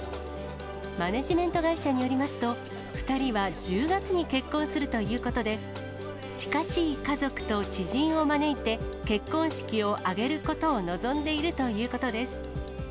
マネジメント会社によりますと、２人は１０月に結婚するということで、近しい家族と知人を招いて、結婚式を挙げることを望んでいるということです。